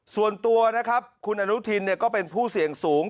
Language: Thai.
ส่วนตัวนะครับคุณอนุทินก็เป็นผู้เสี่ยงสูง